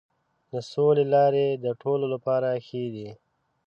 د سولې لارې د ټولو لپاره ښې دي.